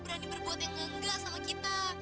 berani berbuat yang enggak sama kita